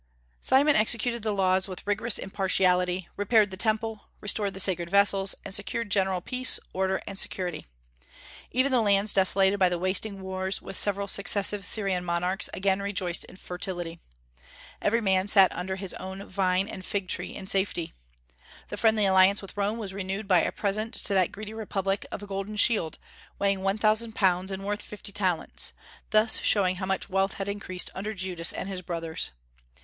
Simon executed the laws with rigorous impartiality, repaired the Temple, restored the sacred vessels, and secured general peace, order, and security. Even the lands desolated by the wasting wars with several successive Syrian monarchs again rejoiced in fertility. Every man sat under his own vine and fig tree in safety. The friendly alliance with Rome was renewed by a present to that greedy republic of a golden shield, weighing one thousand pounds, and worth fifty talents, thus showing how much wealth had increased under Judas and his brothers.